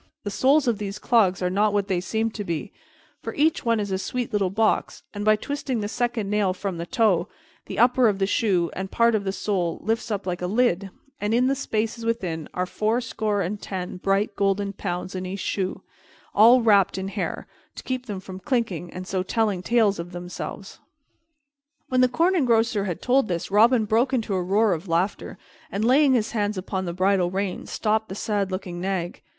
The soles of these clogs are not what they seem to be, for each one is a sweet little box; and by twisting the second nail from the toe, the upper of the shoe and part of the sole lifts up like a lid, and in the spaces within are fourscore and ten bright golden pounds in each shoe, all wrapped in hair, to keep them from clinking and so telling tales of themselves." When the Corn Engrosser had told this, Robin broke into a roar of laughter and, laying his hands upon the bridle rein, stopped the sad looking nag.